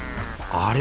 あれ？